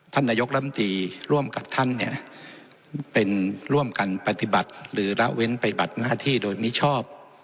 ท่านนายกรรมตรีร่วมกับท่านเนี่ยเป็นร่วมกันปฏิบัติหรือละเว้นไปบัดหน้าที่โดยมิชอบ